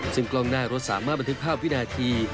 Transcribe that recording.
ซึ่งกล้องหน้ารถสามารถบันทึกภาพวินาที